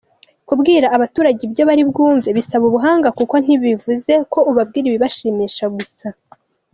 Kubwira abaturage ibyo bari bwumve bisaba ubuhanga kuko ntibivuze ko ubabwira ibibashimisha gusa.